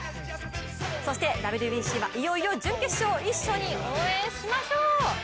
そしてＷＢＣはいよいよ準決勝一緒に応援しましょう！